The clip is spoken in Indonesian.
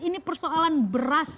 ini persoalan berasal